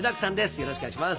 よろしくお願いします。